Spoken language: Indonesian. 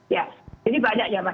ya ini banyak ya pak